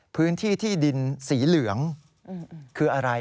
พื้นที่ที่ดินสีเหลืองคืออะไร